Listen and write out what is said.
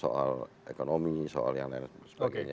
soal ekonomi soal yang lain sebagainya